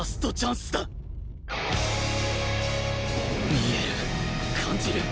見える！感じる！